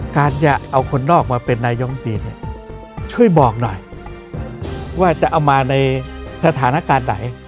การจะเอาคนนอกมาเป็นนายมตรีเนี่ยช่วยบอกหน่อยว่าจะเอามาในสถานการณ์ไหน